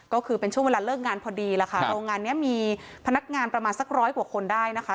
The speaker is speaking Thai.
ก็คือเป็นช่วงเวลาเลิกงานพอดีล่ะค่ะโรงงานนี้มีพนักงานประมาณสักร้อยกว่าคนได้นะคะ